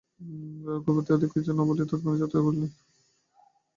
রঘুপতি আর অধিক কিছু না বলিয়া তৎক্ষণাৎ যাত্রা করিলেন।